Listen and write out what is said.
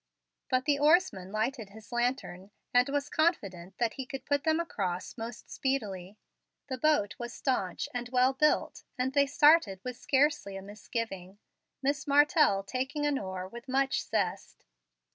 But the oarsman lighted his lantern, and was confident that he could put them across most speedily. The boat was stanch and well built, and they started with scarcely a misgiving, Miss Martell taking an oar with much zest.